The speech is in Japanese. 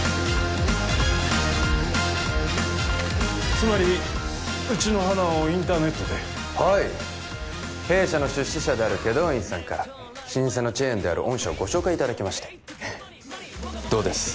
つまりうちの花をインターネットではい弊社の出資者である祁答院さんから老舗のチェーンである御社をご紹介いただきましてどうです？